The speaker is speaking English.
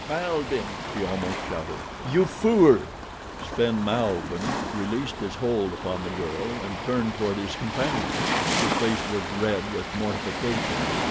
"Malbihn!" he almost shouted. "You fool!" Sven Malbihn released his hold upon the girl and turned toward his companion. His face was red with mortification.